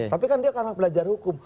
tapi kan dia karena belajar hukum